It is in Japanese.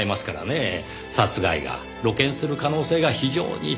殺害が露見する可能性が非常に高い。